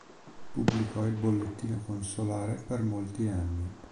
Pubblicò il Bollettino Consolare per molti anni.